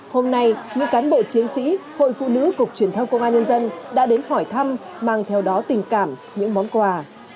hôm nay những cán bộ chiến sĩ hội phụ nữ cục truyền thông công an nhân dân đã đến hỏi thăm mang theo đó tình cảm những món quà